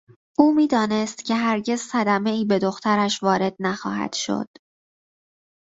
او میدانست که هرگز صدمهای به دخترش وارد نخواهد شد.